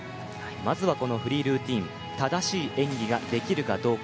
まずはフリールーティン正しい演技ができるかどうか。